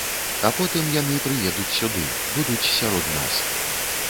А потым яны прыедуць сюды, будуць сярод нас.